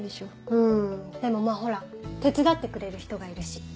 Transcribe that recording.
うんでもまぁほら手伝ってくれる人がいるし。